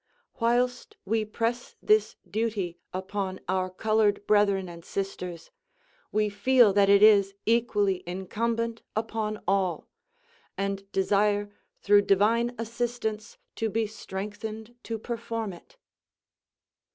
Whilst we press this duty upon our colored brethren and sisters, we feel that it is equally incumbent upon all, and desire through divine assistance to be strengthened to perform it.